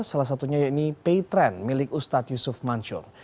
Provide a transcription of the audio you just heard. salah satunya yaitu paytrend milik ustadz yusuf mansur